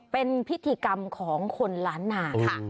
เป็นพิธีกรรมของคนล้านนาค่ะ